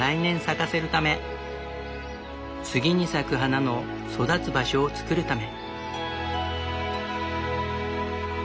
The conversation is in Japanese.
次に咲く花の育つ場所を作るため。